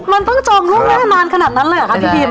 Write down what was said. มันต้องจองร่วงแน่นานขนาดนั้นแหละค่ะพี่พิม